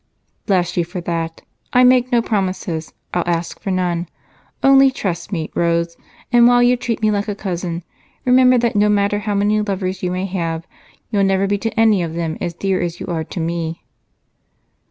"Bless you for that! I'll make no promises, I'll ask for none only trust me, Rose, and while you treat me like a cousin, remember that no matter how many lovers you may have you'll never be to any of them as dear as you are to me."